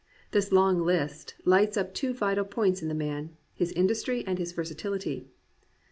This long list lights up two vital points in the man: his industry and his versatility.